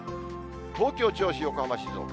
東京、銚子、横浜、静岡。